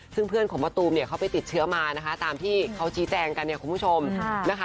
ซึ่งเพื่อนของมะตูมเนี่ยเขาไปติดเชื้อมานะคะตามที่เขาชี้แจงกันเนี่ยคุณผู้ชมนะคะ